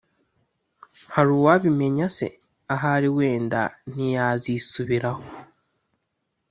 Hari uwabimenya se? Ahari wenda ntiyazisubiraho!